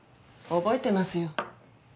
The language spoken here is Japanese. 覚えてますよ。